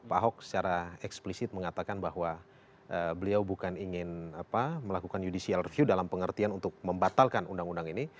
pak ahok secara eksplisit mengatakan bahwa beliau bukan ingin melakukan judicial review dalam pengertian untuk membatalkan undang undang ini